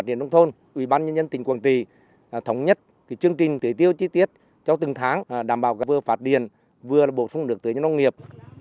tỉnh quảng trị đồng thôn ubnd tỉnh quảng trị thống nhất chương trình tiểu tiêu chi tiết cho từng tháng đảm bảo vừa phát điện vừa bổ sung nước tưới cho nông nghiệp